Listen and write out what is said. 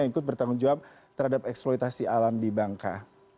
yang ikut bertanggung jawab terhadap eksploitasi alam di bangka